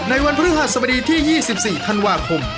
วันพฤหัสบดีที่๒๔ธันวาคม